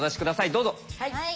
どうぞ。